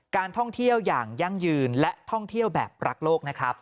การท่องเที่ยวอย่างยั่งยืนและท่องเที่ยวแบบรักโลกนะครับ